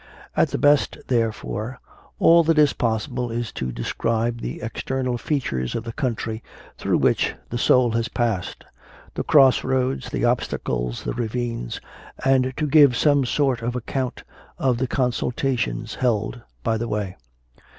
... At the best, therefore, all that is possible is to describe the external features of the country through which the soul has passed the crossroads, the obstacles, the ravines and to give some sort of account of the consultations held by the way.